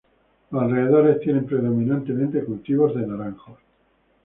Los alrededores tienen predominantemente cultivos de naranjos.